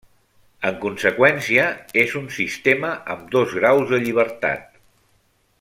En conseqüència, és un sistema amb dos graus de llibertat.